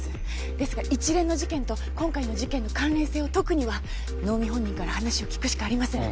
ですが一連の事件と今回の事件の関連性を解くには能見本人から話を聞くしかありません。